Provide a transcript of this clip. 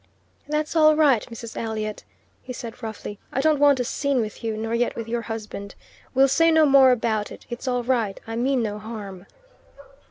"That's all right, Mrs. Elliot," he said roughly. "I don't want a scene with you, nor yet with your husband. We'll say no more about it. It's all right. I mean no harm."